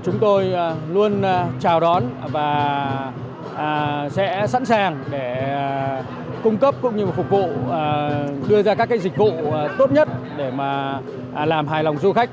chúng tôi luôn chào đón và sẽ sẵn sàng để cung cấp cũng như phục vụ đưa ra các dịch vụ tốt nhất để làm hài lòng du khách